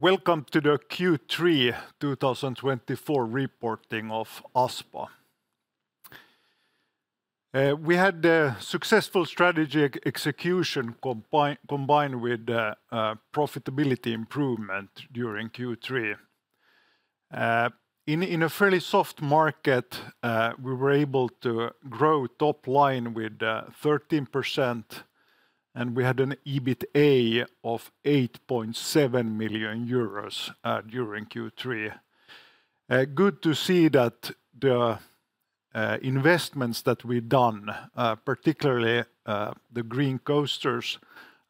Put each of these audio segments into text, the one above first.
Welcome to the Q3 2024 reporting of Aspo. We had a successful strategy execution combined with profitability improvement during Q3. In a fairly soft market, we were able to grow top line with 13%, and we had an EBITA of 8.7 million euros during Q3. Good to see that the investments that we've done, particularly the Green Coasters,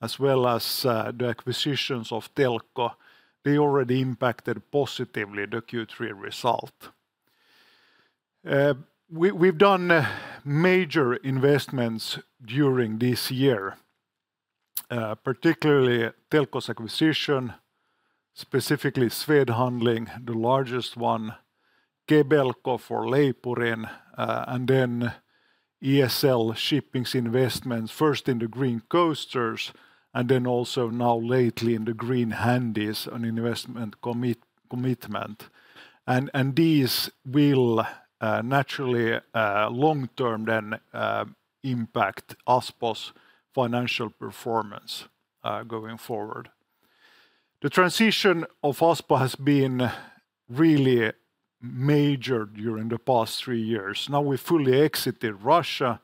as well as the acquisitions of Telko, they already impacted positively the Q3 result. We've done major investments during this year, particularly Telko's acquisition, specifically Swed Handling, the largest one, Kebelco for Leipurin, and then ESL Shipping's investments, first in the Green Coasters, and then also now lately in the Green Handys, an investment commitment. These will naturally long term then impact Aspo's financial performance going forward. The transition of Aspo has been really major during the past three years. Now, we've fully exited Russia,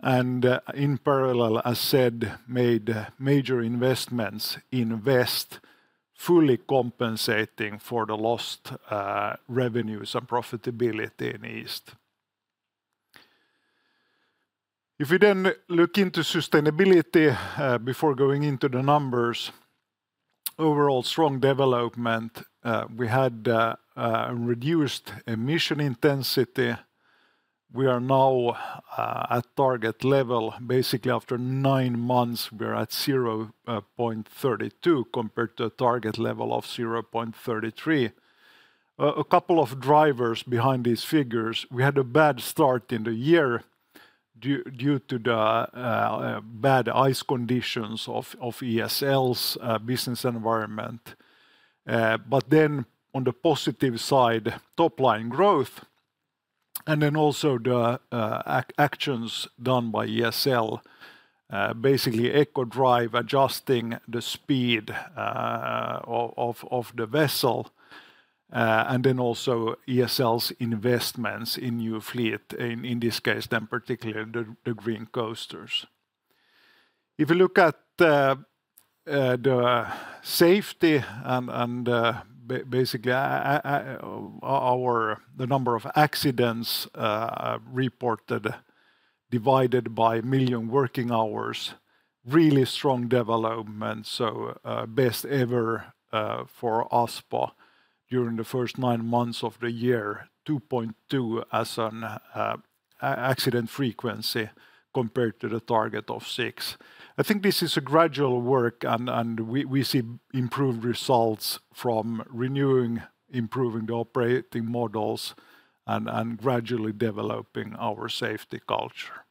and in parallel, as said, made major investments in West, fully compensating for the lost revenues and profitability in East. If we then look into sustainability before going into the numbers, overall strong development. We had reduced emission intensity. We are now at target level. Basically, after nine months, we're at 0.32, compared to a target level of 0.33. A couple of drivers behind these figures, we had a bad start in the year due to the bad ice conditions of ESL's business environment. But then, on the positive side, top-line growth, and then also the actions done by ESL, basically eco drive, adjusting the speed of the vessel, and then also ESL's investments in new fleet, in this case, then particularly the Green Coasters. If you look at the number of accidents reported, divided by million working hours, really strong development, so best ever for Aspo during the first nine months of the year, 2.2 as an accident frequency, compared to the target of six. I think this is a gradual work, and we see improved results from renewing, improving the operating models, and gradually developing our safety culture.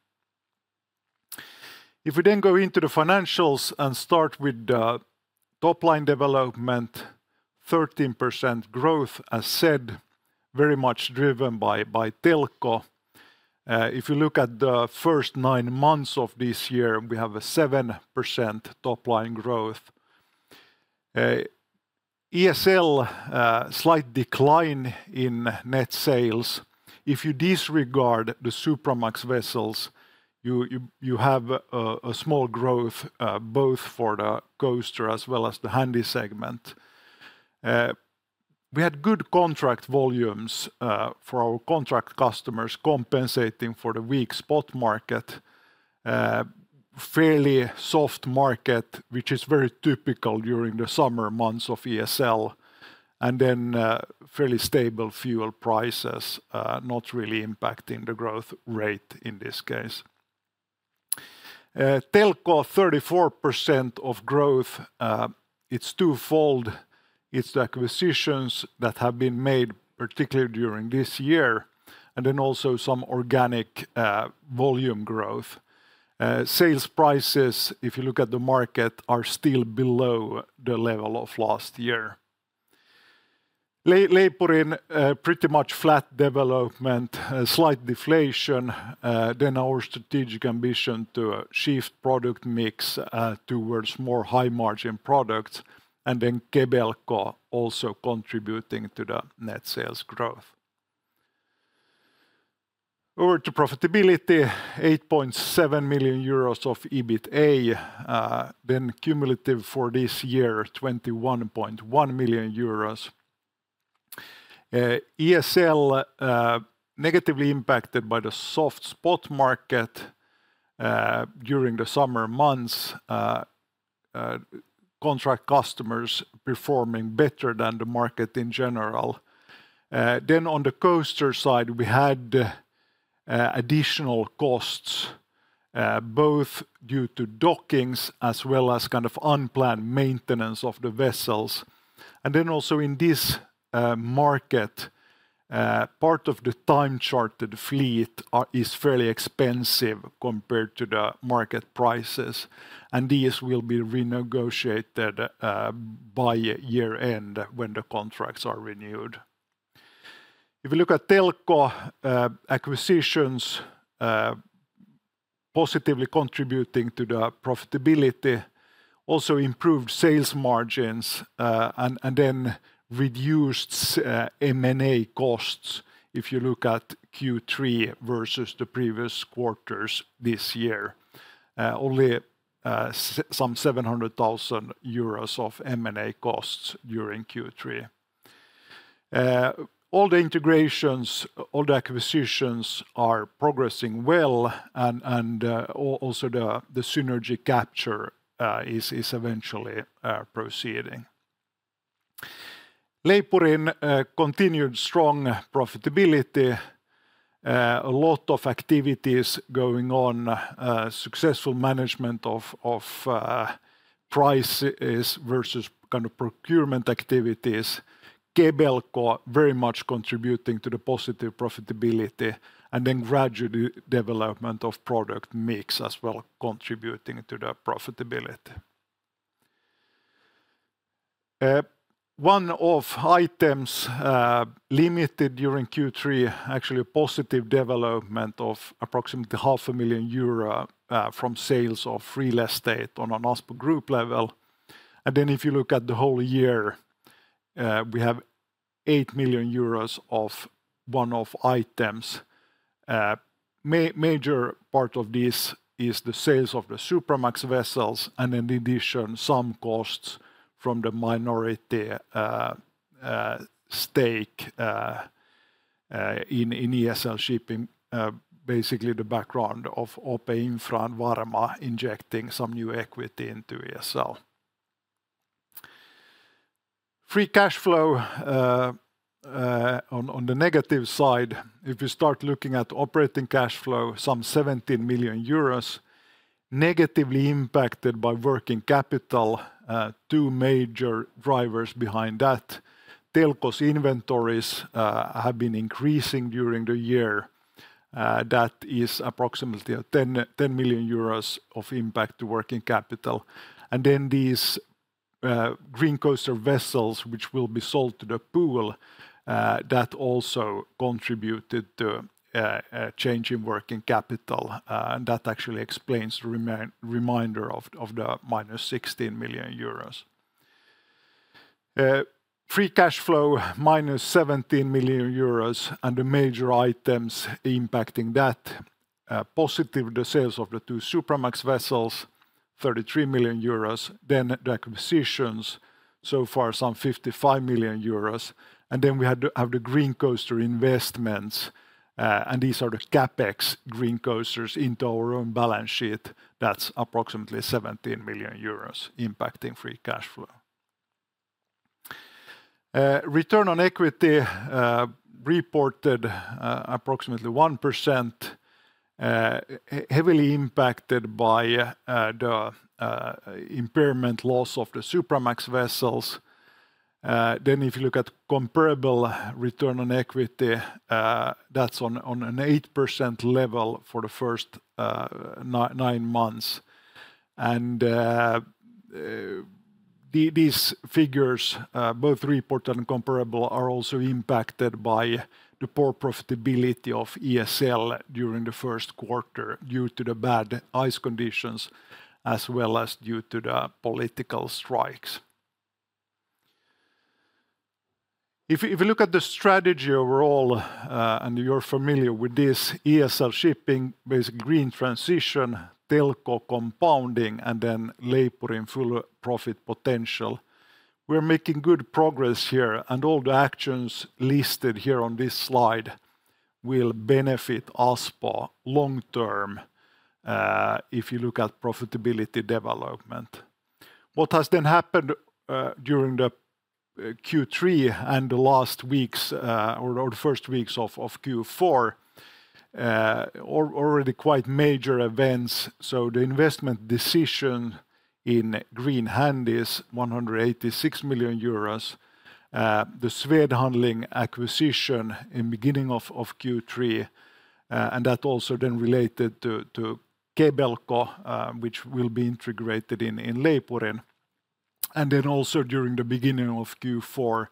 If we then go into the financials and start with the top-line development, 13% growth, as said, very much driven by Telko. If you look at the first nine months of this year, we have a 7% top-line growth. ESL, slight decline in net sales. If you disregard the Supramax vessels, you have a small growth, both for the coaster as well as the handy segment. We had good contract volumes, for our contract customers, compensating for the weak spot market. Fairly soft market, which is very typical during the summer months of ESL, and then, fairly stable fuel prices, not really impacting the growth rate in this case. Telko, 34% of growth. It's twofold. It's the acquisitions that have been made, particularly during this year, and then also some organic, volume growth. Sales prices, if you look at the market, are still below the level of last year. Leipurin, pretty much flat development, a slight deflation, then our strategic ambition to shift product mix, towards more high-margin products, and then Kebelco also contributing to the net sales growth. Over to profitability, 8.7 million euros of EBITA, then cumulative for this year, 21.1 million euros. ESL, negatively impacted by the soft spot market, during the summer months. Contract customers performing better than the market in general. Then on the coaster side, we had, additional costs, both due to dockings as well as kind of unplanned maintenance of the vessels. And then also in this, market— Part of the time charter, the fleet is fairly expensive compared to the market prices, and these will be renegotiated by year-end when the contracts are renewed. If you look at Telko acquisitions, positively contributing to the profitability, also improved sales margins, and then reduced M&A costs if you look at Q3 versus the previous quarters this year. Only some 700,000 euros of M&A costs during Q3. All the integrations, all the acquisitions are progressing well, and also the synergy capture is eventually proceeding. Leipurin continued strong profitability. A lot of activities going on, successful management of prices versus kind of procurement activities. Kebelco very much contributing to the positive profitability, and then gradual development of product mix as well, contributing to the profitability. One-off items limited during Q3, actually a positive development of approximately 500,000 euro from sales of real estate on an Aspo group level. Then if you look at the whole year, we have 8 million euros of one-off items. Major part of this is the sales of the Supramax vessels, and in addition, some costs from the minority stake in ESL Shipping. Basically, the background of OP Infra and Varma injecting some new equity into ESL. Free cash flow on the negative side, if you start looking at operating cash flow, some 17 million euros negatively impacted by working capital. Two major drivers behind that: Telko's inventories have been increasing during the year. That is approximately 10 million euros of impact to working capital. And then these Green Coaster vessels, which will be sold to the pool, that also contributed to a change in working capital, and that actually explains the remainder of the minus 16 million euros. Free cash flow, minus 17 million euros, and the major items impacting that, positive, the sales of the two Supramax vessels, 33 million euros. Then the acquisitions, so far some 55 million euros. And then we had to have the Green Coaster investments, and these are the CapEx Green Coasters into our own balance sheet. That's approximately 17 million euros impacting free cash flow. Return on equity, reported, approximately 1%, heavily impacted by the impairment loss of the Supramax vessels. Then if you look at comparable return on equity, that's on an 8% level for the first nine months. These figures, both reported and comparable, are also impacted by the poor profitability of ESL during the Q1, due to the bad ice conditions as well as due to the political strikes. If you look at the strategy overall, and you're familiar with this, ESL Shipping, basically green transition, Telko compounding, and then Leipurin full profit potential, we're making good progress here, and all the actions listed here on this slide will benefit Aspo long term, if you look at profitability development. What has then happened during the Q3 and the last weeks or the first weeks of Q4 already quite major events, so the investment decision in Green Handys, 186 million euros, the Swed Handling acquisition in beginning of Q3, and that also then related to Kebelco, which will be integrated in Leipurin. Then also during the beginning of Q4,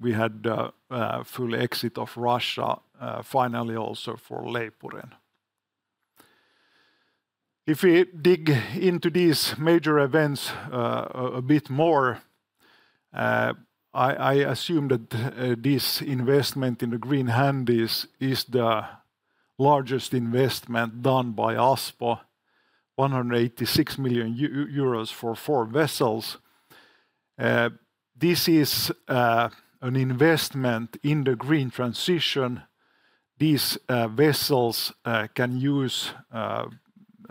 we had the full exit of Russia, finally also for Leipurin. If we dig into these major events a bit more, I assume that this investment in the Green Handys is the largest investment done by Aspo, 186 million euros for four vessels. This is an investment in the green transition. These vessels can use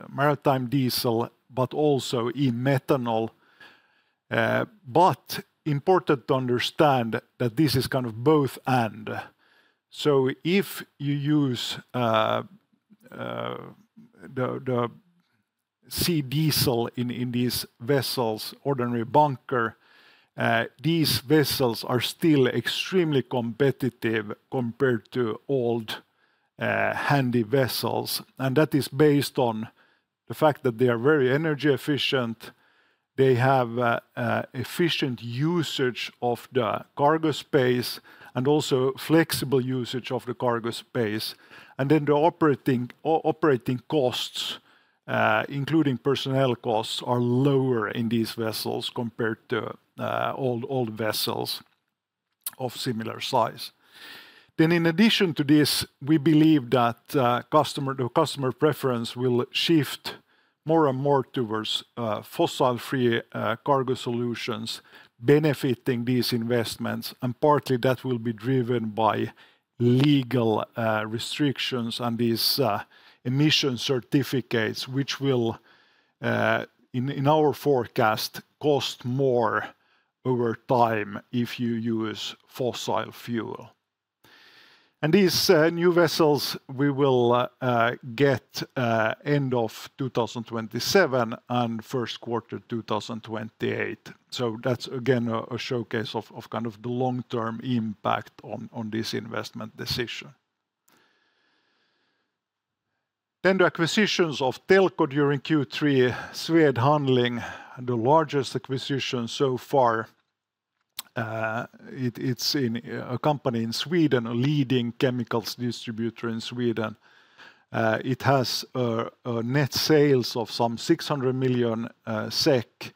maritime diesel, but also e-methanol. But important to understand that this is kind of both/and. So if you use sea diesel in these vessels, ordinary bunker, these vessels are still extremely competitive compared to old handy vessels. And that is based on the fact that they are very energy efficient, they have efficient usage of the cargo space, and also flexible usage of the cargo space. And then the operating costs, including personnel costs, are lower in these vessels compared to old vessels of similar size. Then in addition to this, we believe that the customer preference will shift more and more towards fossil-free cargo solutions, benefiting these investments, and partly that will be driven by legal restrictions and these emission certificates, which will in our forecast cost more over time if you use fossil fuel. And these new vessels we will get end of 2027 and Q1 2028. So that's again a showcase of kind of the long-term impact on this investment decision. Then the acquisitions of Telko during Q3, Swed Handling, the largest acquisition so far, it's in a company in Sweden, a leading chemicals distributor in Sweden. It has a net sales of some 600 million SEK,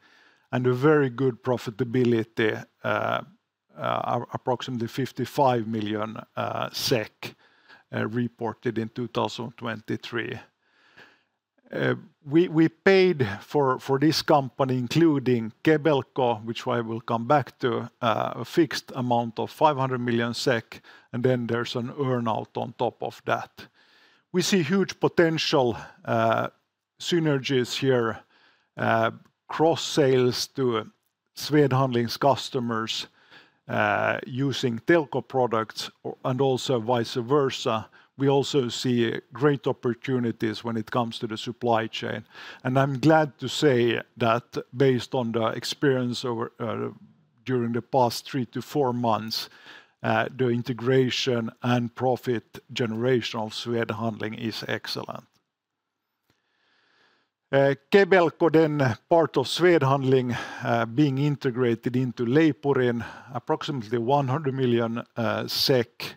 and a very good profitability, approximately SEK 55 million, reported in 2023. We paid for this company, including Kebelco, which I will come back to, a fixed amount of 500 million SEK, and then there's an earn-out on top of that. We see huge potential synergies here, cross-sales to Swed Handling's customers, using Telko products, or and also vice versa. We also see great opportunities when it comes to the supply chain, and I'm glad to say that based on the experience during the past three to four months, the integration and profit generation of Swed Handling is excellent. Kebelco, then part of Swed Handling, being integrated into Leipurin, approximately 100 million SEK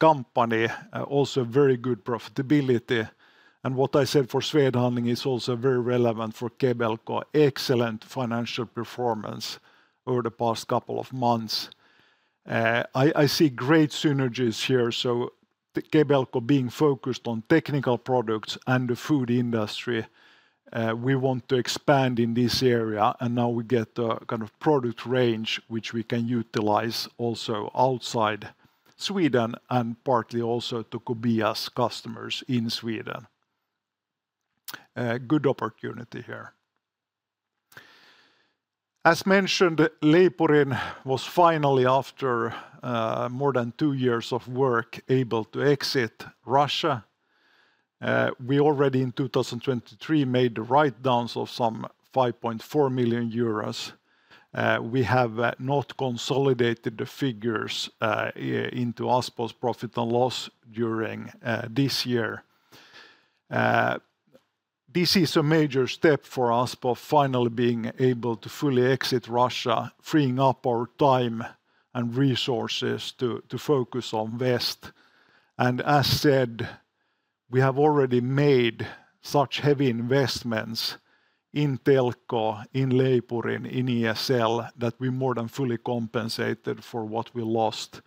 company. Also very good profitability. What I said for Swed Handling is also very relevant for Kebelco. Excellent financial performance over the past couple of months. I see great synergies here, so the Kebelco being focused on technical products and the food industry, we want to expand in this area, and now we get a kind of product range which we can utilize also outside Sweden, and partly also to Kobia's customers in Sweden. Good opportunity here. As mentioned, Leipurin was finally, after more than two years of work, able to exit Russia. We already in two thousand twenty-three made the write-downs of some 5.4 million euros. We have not consolidated the figures into Aspo's profit and loss during this year. This is a major step for Aspo, finally being able to fully exit Russia, freeing up our time and resources to focus on West. And as said, we have already made such heavy investments in Telko, in Leipurin, in ESL, that we more than fully compensated for what we lost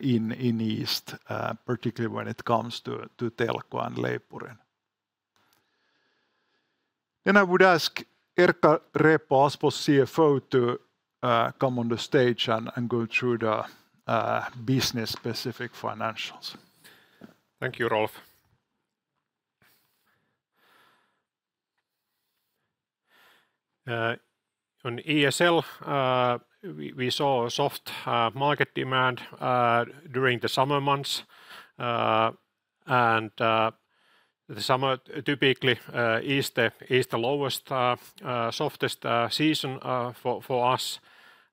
in East, particularly when it comes to Telko and Leipurin. Then I would ask Erkka Repo, Aspo's CFO, to come on the stage and go through the business-specific financials. Thank you, Rolf. On ESL, we saw a soft market demand during the summer months. And the summer typically is the lowest softest season for us.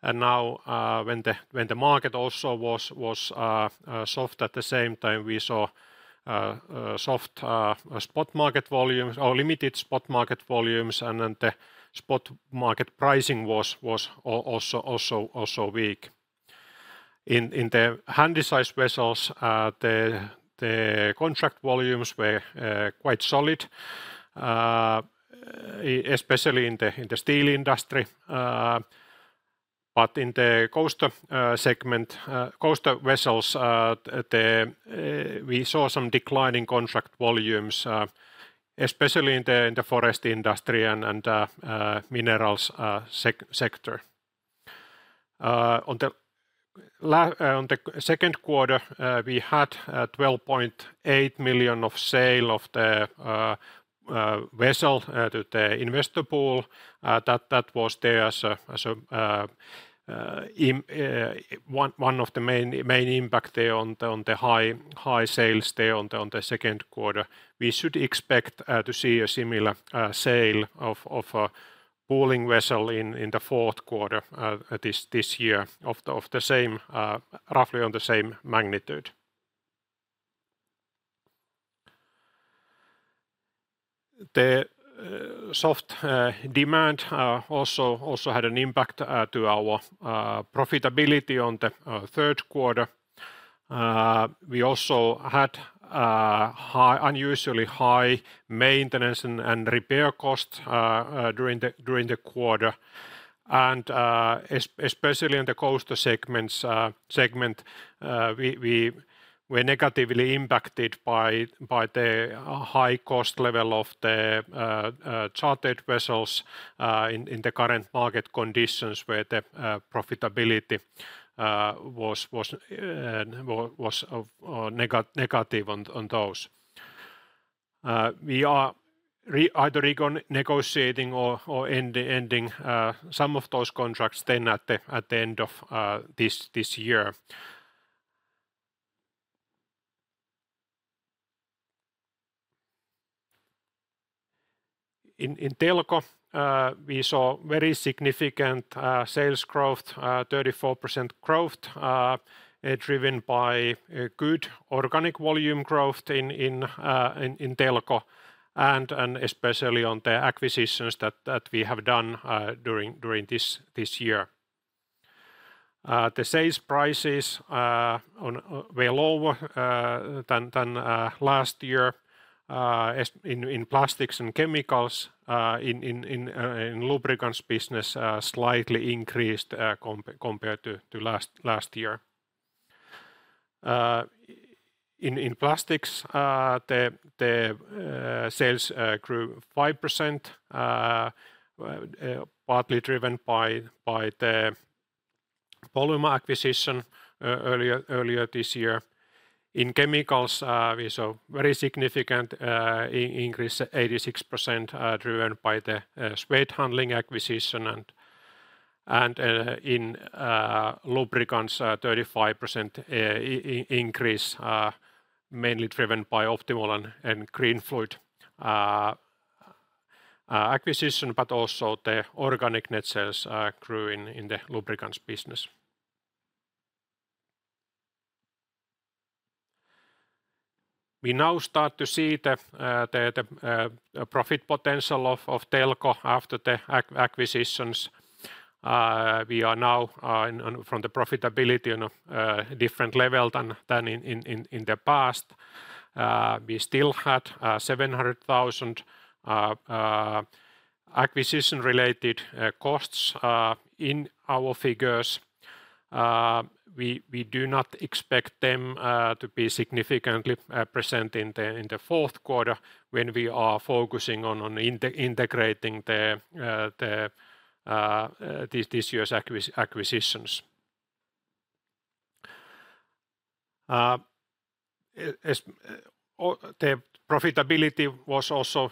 And now, when the market also was soft at the same time, we saw soft spot market volumes or limited spot market volumes, and then the spot market pricing was also weak. In the handysize vessels, the contract volumes were quite solid, especially in the steel industry, but in the coaster segment, coaster vessels, we saw some decline in contract volumes, especially in the forest industry and minerals sector. On the-... On the Q2, we had 12.8 million of sale of the vessel to the investor pool. That was there as a one of the main impact there on the high sales there on the Q2. We should expect to see a similar sale of a pooling vessel in the Q4 this year of the same roughly on the same magnitude. The soft demand also had an impact to our profitability on the Q3. We also had unusually high maintenance and repair costs during the quarter. Especially in the coaster segment, we were negatively impacted by the high cost level of the chartered vessels in the current market conditions, where the profitability was negative on those. We are either negotiating or ending some of those contracts at the end of this year. In Telko, we saw very significant sales growth, 34% growth, driven by a good organic volume growth in Telko, and especially on the acquisitions that we have done during this year. The sales prices were lower than last year in plastics and chemicals. In lubricants business, slightly increased compared to last year. In plastics, the sales grew 5%, partly driven by the Polymer acquisition earlier this year. In chemicals, we saw very significant increase, 86%, driven by the Swed Handling acquisition, and in lubricants, 35% increase, mainly driven by Optimol and Greenfluid acquisition, but also the organic net sales grew in the lubricants business. We now start to see the profit potential of Telko after the acquisitions. We are now in... From the profitability on a different level than in the past. We still had 700,000 acquisition-related costs in our figures. We do not expect them to be significantly present in the Q4, when we are focusing on integrating this year's acquisitions. The profitability was also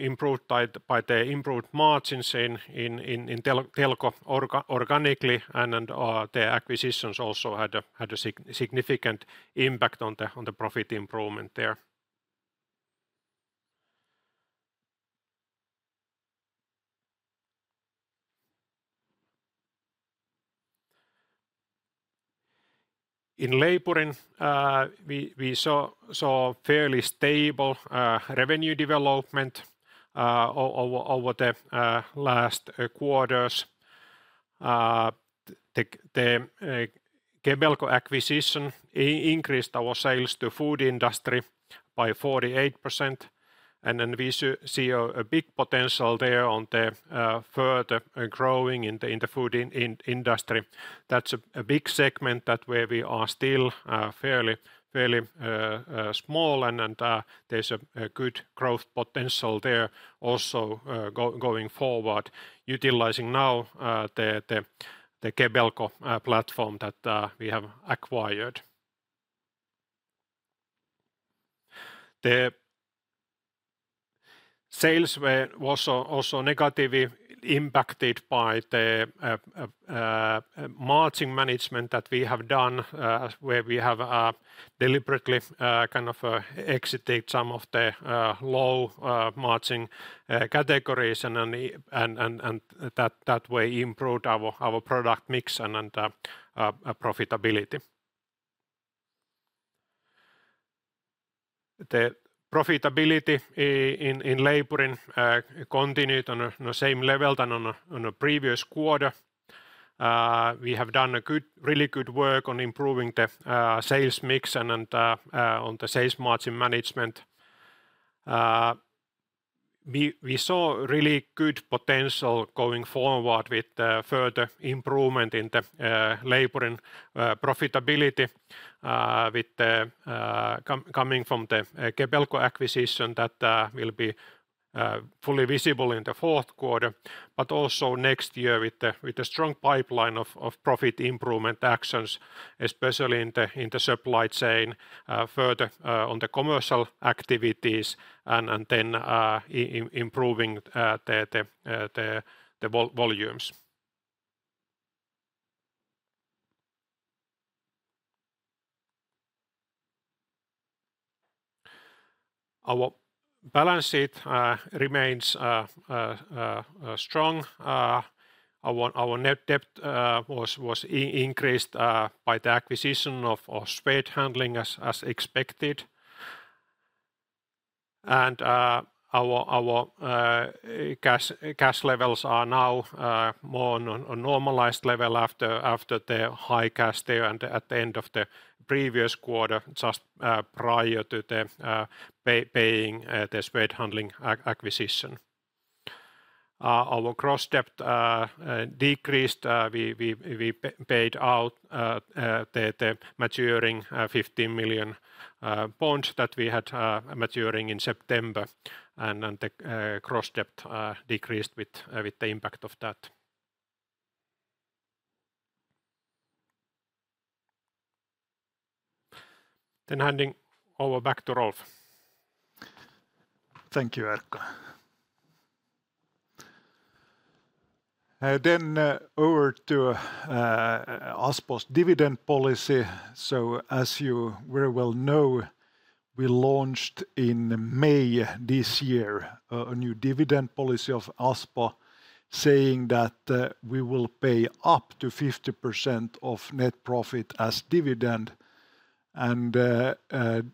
improved by the improved margins in Telko organically, and the acquisitions also had a significant impact on the profit improvement there. In Leipurin, we saw fairly stable revenue development over the last quarters. The Kebelco acquisition increased our sales to food industry by 48%, and then we see a big potential there on the further growing in the food industry. That's a big segment that where we are still fairly small, and there's a good growth potential there also going forward, utilizing now the Kebelco platform that we have acquired. The sales were also negatively impacted by the margin management that we have done, where we have deliberately kind of exited some of the low margin categories, and that way improved our product mix and profitability. The profitability in Leipurin continued on a same level than on a previous quarter. We have done a really good work on improving the sales mix and on the sales margin management. We saw really good potential going forward with the further improvement in the Leipurin profitability with the coming from the Kebelco acquisition that will be fully visible in the Q4, but also next year with the strong pipeline of profit improvement actions, especially in the supply chain further on the commercial activities, and then improving the volumes. Our balance sheet remains strong. Our net debt was increased by the acquisition of Swed Handling as expected. Our cash levels are now more on normalized level after the high cash there, and at the end of the previous quarter, just prior to paying the Swed Handling acquisition. Our gross debt decreased. We paid out the maturing 15 million that we had maturing in September, and then the gross debt decreased with the impact of that. Handing over back to Rolf. Thank you, Erkka. And then over to Aspo's dividend policy. So as you very well know, we launched in May this year a new dividend policy of Aspo, saying that we will pay up to 50% of net profit as dividend. And the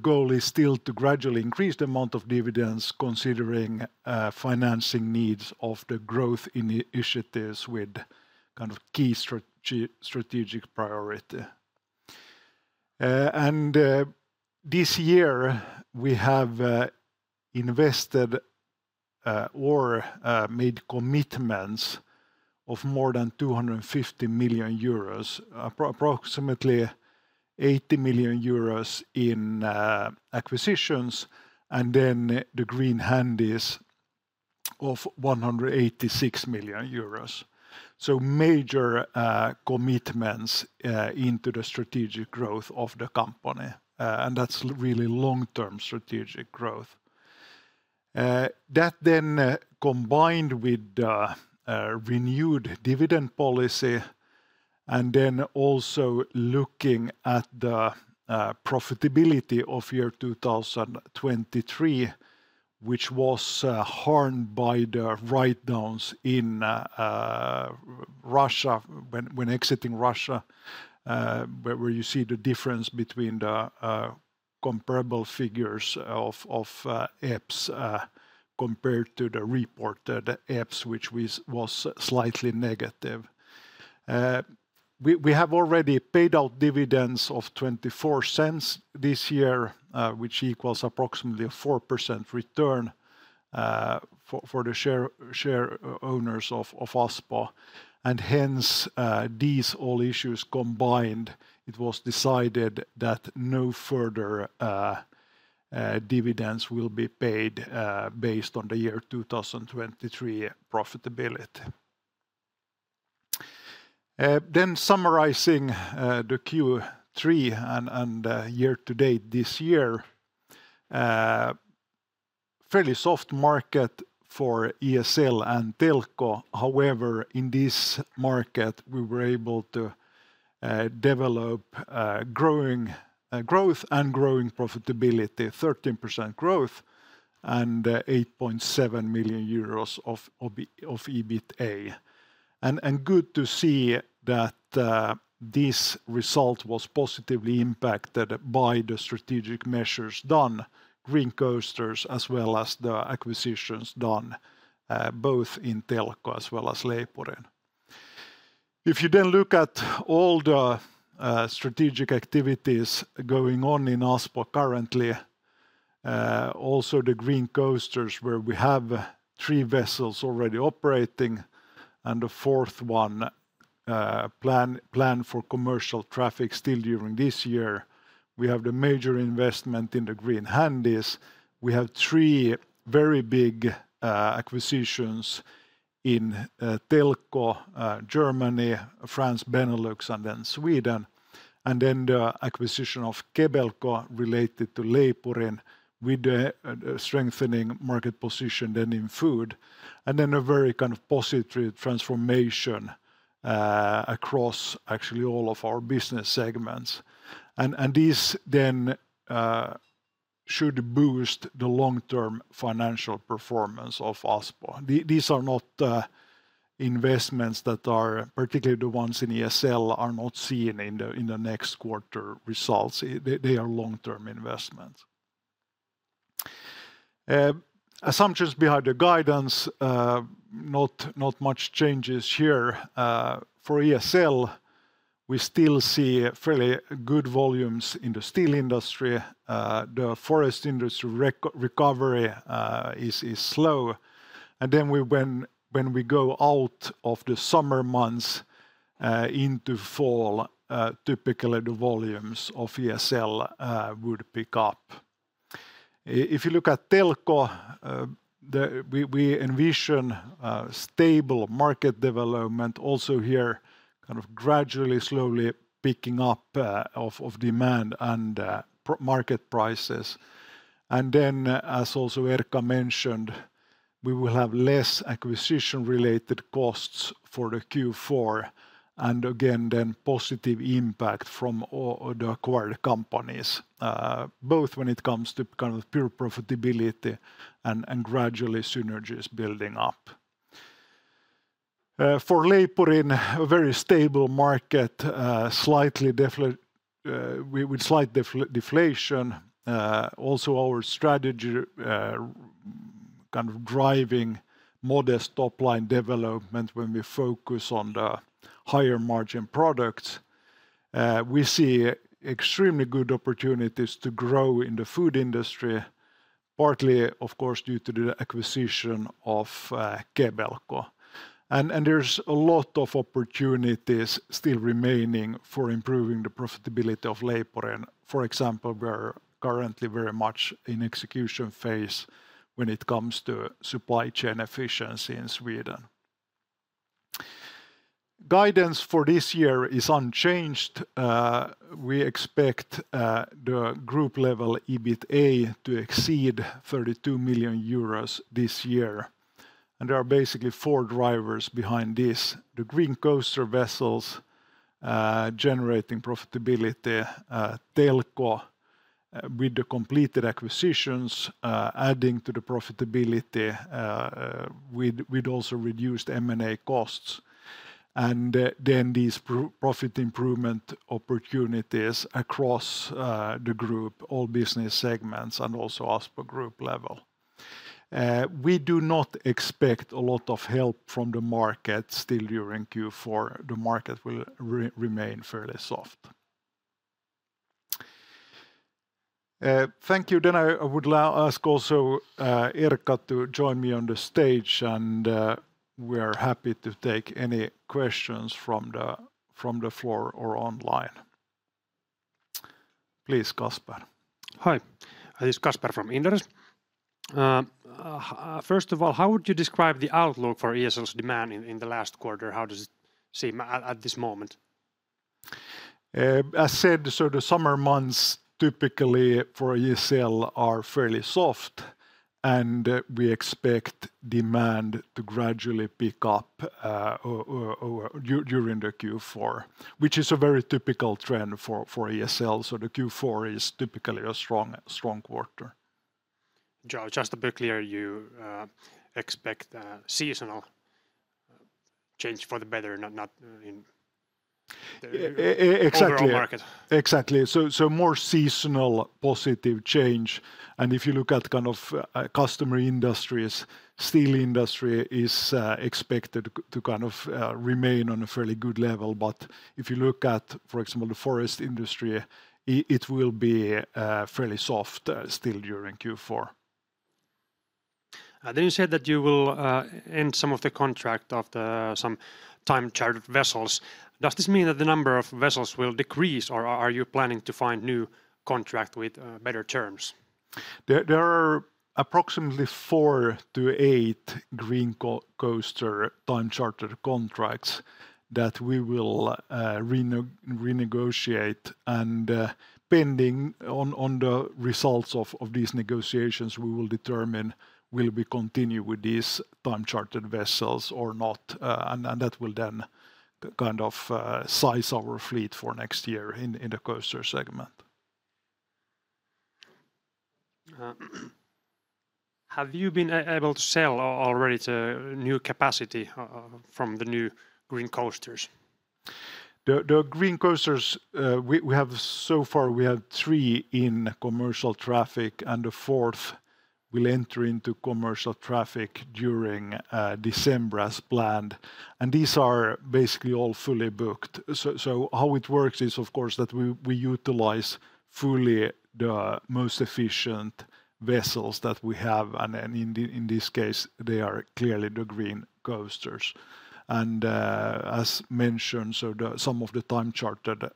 goal is still to gradually increase the amount of dividends, considering financing needs of the growth initiatives with kind of key strategic priority. And this year, we have invested or made commitments of more than 250 million euros. Approximately 80 million euros in acquisitions, and then the Green Handys of EUR 186 million. So major commitments into the strategic growth of the company, and that's really long-term strategic growth. That then combined with the renewed dividend policy, and then also looking at the profitability of 2023, which was harmed by the write-downs in Russia, when exiting Russia, where you see the difference between the comparable figures of EPS compared to the reported EPS, which was slightly negative. We have already paid out dividends of 0.24 this year, which equals approximately a 4% return for the share owners of Aspo. And hence, these all issues combined, it was decided that no further dividends will be paid based on the 2023 profitability. Then summarizing the Q3 and year to date this year, fairly soft market for ESL and Telko. However, in this market, we were able to develop growth and growing profitability, 13% growth, and 8.7 million euros of EBITA. Good to see that this result was positively impacted by the strategic measures done, Green Coasters, as well as the acquisitions done, both in Telko as well as Leipurin. If you then look at all the strategic activities going on in Aspo currently, also the Green Coasters, where we have three vessels already operating, and a fourth one planned for commercial traffic still during this year. We have the major investment in the Green Handys. We have three very big acquisitions in Telko, Germany, France, Benelux, and then Sweden. The acquisition of Kebelco related to Leipurin, with a strengthening market position in food, and then a very kind of positive transformation across actually all of our business segments. This then should boost the long-term financial performance of Aspo. These are not investments that are, particularly the ones in ESL, are not seen in the next quarter results. They are long-term investments. Assumptions behind the guidance, not much changes here. For ESL, we still see fairly good volumes in the steel industry. The forest industry recovery is slow. We, when we go out of the summer months into fall, typically the volumes of ESL would pick up. If you look at Telko, we envision a stable market development also here, kind of gradually, slowly picking up of demand and market prices. Then as also Erkka mentioned, we will have less acquisition-related costs for the Q4, and again, then positive impact from all the acquired companies, both when it comes to kind of pure profitability and gradually synergies building up. For Leipurin, a very stable market, with slight deflation. Also our strategy, kind of driving modest top-line development when we focus on the higher-margin products. We see extremely good opportunities to grow in the food industry, partly, of course, due to the acquisition of Kebelco. And there's a lot of opportunities still remaining for improving the profitability of Leipurin. For example, we're currently very much in execution phase when it comes to supply chain efficiency in Sweden. Guidance for this year is unchanged. We expect the group-level EBITA to exceed 32 million euros this year, and there are basically four drivers behind this: the Green Coaster vessels generating profitability, Telko with the completed acquisitions adding to the profitability with also reduced M&A costs, and then these profit improvement opportunities across the group, all business segments, and also as per group level. We do not expect a lot of help from the market still during Q4. The market will remain fairly soft. Thank you. Then I would ask also Erkka to join me on the stage, and we are happy to take any questions from the floor or online. Please, Kasper. Hi, this is Kasper from Inderes. First of all, how would you describe the outlook for ESL's demand in the last quarter? How does it seem at this moment? As said, so the summer months, typically for ESL, are fairly soft, and we expect demand to gradually pick up during the Q4, which is a very typical trend for ESL. So the Q4 is typically a strong quarter. Just to be clear, you expect a seasonal change for the better, not in— Exactly. —overall market? Exactly. So more seasonal positive change. And if you look at kind of customer industries, steel industry is expected to kind of remain on a fairly good level. But if you look at, for example, the forest industry, it will be fairly soft still during Q4. Then you said that you will end some of the contract of the some time charter vessels. Does this mean that the number of vessels will decrease, or are you planning to find new contract with better terms? There are approximately four to eight Green Coaster time charter contracts that we will renegotiate, and pending on the results of these negotiations, we will determine will we continue with these time-chartered vessels or not, and that will then kind of size our fleet for next year in the coaster segment. Have you been able to sell already the new capacity from the new Green Coasters? The Green Coasters, we have so far we have three in commercial traffic, and the fourth will enter into commercial traffic during December, as planned, and these are basically all fully booked. So how it works is, of course, that we utilize fully the most efficient vessels that we have, and then in this case, they are clearly the Green Coasters. And, as mentioned, so some of the time-chartered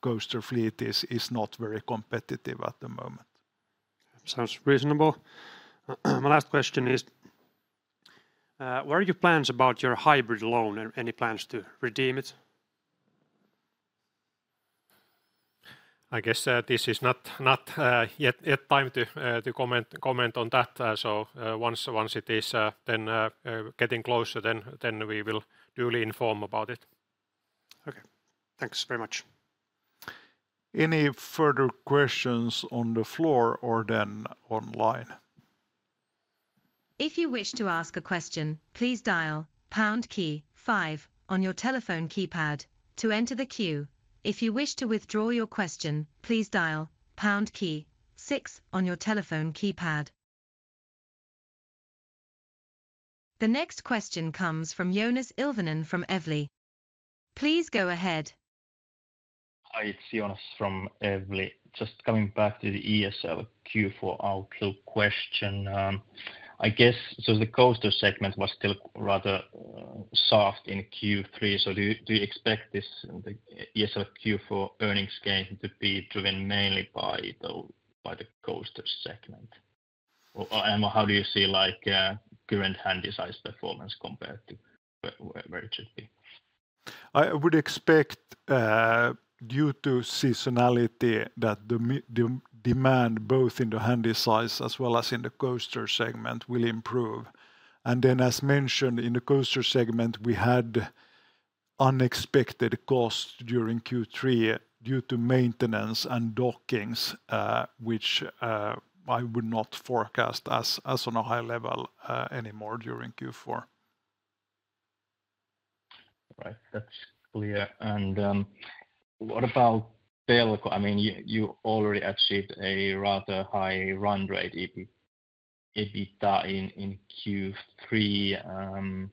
coaster fleet is not very competitive at the moment. Sounds reasonable. My last question is, what are your plans about your hybrid loan? Any plans to redeem it? I guess, this is not yet time to comment on that. So, once it is getting closer, then we will duly inform about it. Okay. Thanks very much. Any further questions on the floor or then online? If you wish to ask a question, please dial pound key five on your telephone keypad to enter the queue. If you wish to withdraw your question, please dial pound key six on your telephone keypad. The next question comes from Joonas Ilvonen from Evli. Please go ahead. ... Hi, it's Joonas from Evli. Just coming back to the ESL Q4, a little question. I guess, so the coaster segment was still rather soft in Q3, so do you expect this, the ESL Q4 earnings gain to be driven mainly by the coaster segment? Or, and how do you see, like, current handy-size performance compared to where it should be? I would expect, due to seasonality, that the demand both in the handy size as well as in the coaster segment will improve. And then, as mentioned in the coaster segment, we had unexpected costs during Q3 due to maintenance and dockings, which I would not forecast as on a high level anymore during Q4. Right. That's clear. And, what about Telko? I mean, you already achieved a rather high run rate, EBITDA in Q3.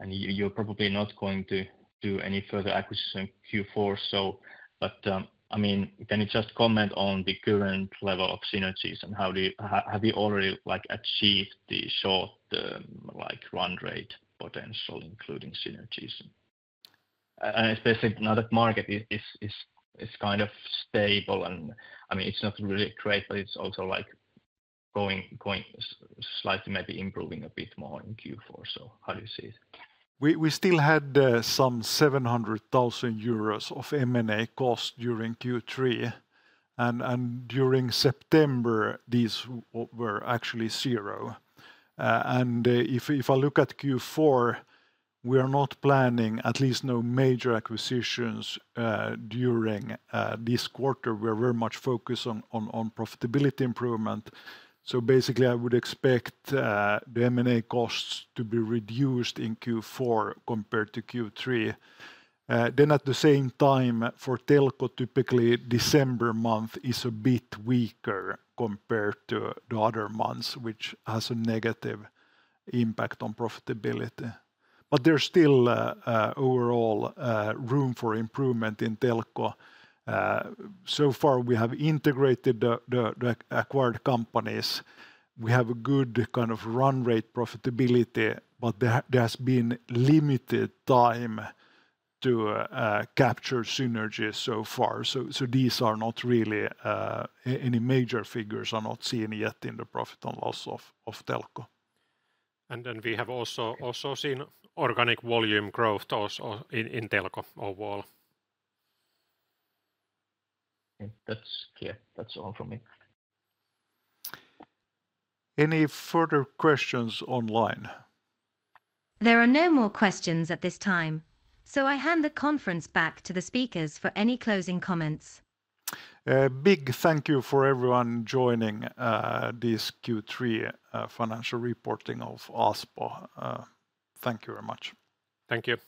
And you're probably not going to do any further acquisition in Q4, so. But, I mean, can you just comment on the current level of synergies, and how have you already, like, achieved the short-term, like, run rate potential, including synergies? And especially now that market is kind of stable, and I mean, it's not really great, but it's also, like, going slightly maybe improving a bit more in Q4. So how do you see it? We still had some 700,000 euros of M&A costs during Q3, and during September, these were actually zero. And if I look at Q4, we are not planning at least no major acquisitions during this quarter. We are very much focused on profitability improvement. So basically, I would expect the M&A costs to be reduced in Q4 compared to Q3. Then at the same time, for Telko, typically December month is a bit weaker compared to the other months, which has a negative impact on profitability. But there's still overall room for improvement in Telko. So far we have integrated the acquired companies. We have a good kind of run rate profitability, but there has been limited time to capture synergies so far. These are not really any major figures are not seen yet in the profit and loss of Telko. And then we have also seen organic volume growth also in Telko overall. That's clear. That's all from me. Any further questions online? There are no more questions at this time, so I hand the conference back to the speakers for any closing comments. A big thank you for everyone joining, this Q3 financial reporting of Aspo. Thank you very much. Thank you.